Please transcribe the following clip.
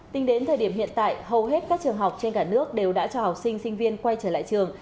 tính đến thời điểm hiện tại hầu hết các trường học trên cả nước đều đã cho học sinh sinh viên quay trở lại trường